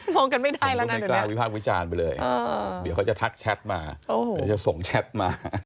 มองกันไม่ได้แล้วนะเดี๋ยวเนี่ยเดี๋ยวเขาจะทักแชทมาเดี๋ยวจะส่งแชทมา